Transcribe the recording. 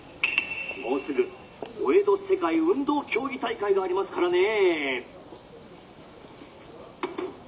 「もうすぐお江戸世界運動競技大会がありますからね」。